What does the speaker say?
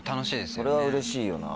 それはうれしいよな。